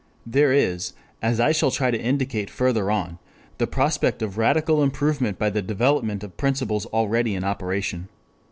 There is, as I shall try to indicate further on, the prospect of radical improvement by the development of principles already in operation.